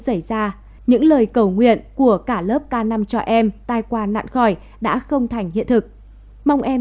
xảy ra những lời cầu nguyện của cả lớp k năm cho em tai qua nạn khỏi đã không thành hiện thực mong em